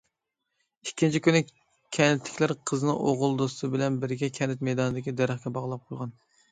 ئىككىنچى كۈنى كەنتتىكىلەر قىزنى ئوغۇل دوستى بىلەن بىرگە كەنت مەيدانىدىكى دەرەخكە باغلاپ قويغان.